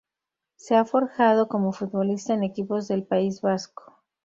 Se ha forjado como futbolista en equipos del País Vasco.